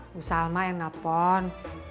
bisa mbak yang telepon